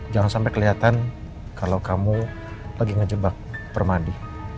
jangan sampai kelihatan kalau kamu lagi ngejebak permadi